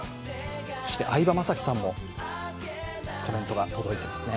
相葉雅紀さんも、コメントが届いていますね。